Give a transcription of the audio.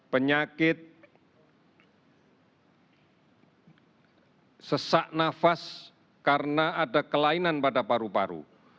penyakit sesak nafas karena ada kelainan pada paru paru